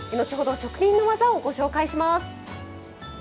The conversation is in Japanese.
職人の技をご紹介します。